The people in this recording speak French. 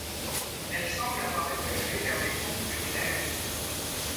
Elle semble avoir évolué vers des teintes plus claires.